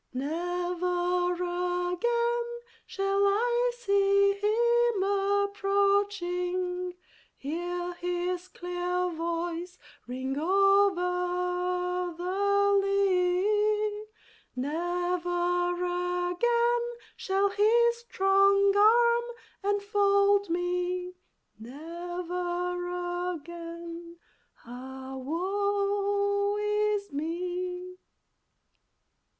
Never again shall I see him approaching, Hear his clear voice ring over the lea; Never again shall his strong arm enfold me, Never again, ah, woe is me!